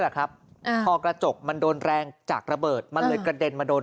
พอกระจกมันโดนแรงจากระเบิดมันเลยกระเด็นมาโดน